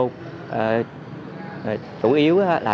chủ yếu là